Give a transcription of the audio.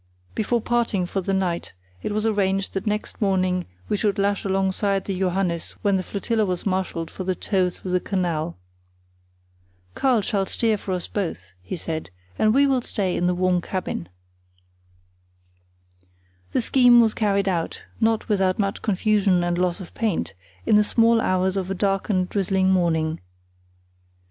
Before parting for the night it was arranged that next morning we should lash alongside the Johannes when the flotilla was marshalled for the tow through the canal. "Karl shall steer for us both," he said, "and we will stay warm in the cabin." The scheme was carried out, not without much confusion and loss of paint, in the small hours of a dark and drizzling morning.